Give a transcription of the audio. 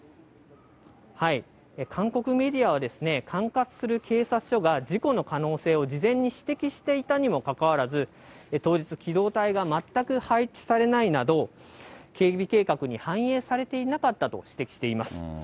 韓国メディアはですね、管轄する警察署が事故の可能性を事前に指摘していたにもかかわらず、当日、機動隊が全く配置されないなど、警備計画に反映されていなかったと指摘しています。